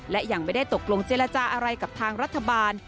และยังไม่ได้ตกลงเจรจาอะไรกับทางรัฐบาล